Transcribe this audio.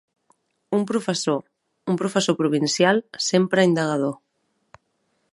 Un professor, un professor provincial, sempre indagador.